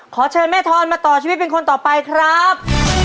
ขอเชิญแม่ทอนมาต่อชีวิตเป็นคนต่อไปครับ